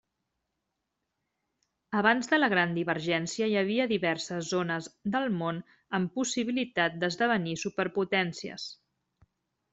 Abans de la gran divergència hi havia diverses zones del món amb possibilitat d'esdevenir superpotències.